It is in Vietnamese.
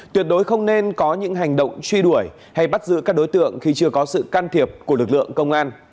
tuyệt đối không nên có những hành động truy đuổi hay bắt giữ các đối tượng khi chưa có sự can thiệp của lực lượng công an